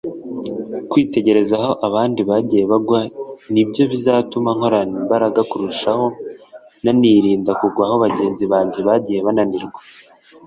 Kwitegereza aho abandi bagiye bagwa nibyo bizatuma nkorana imbaraga kurushaho nanirinda kugwa aho bagenzi banjye bagiye bananirirwa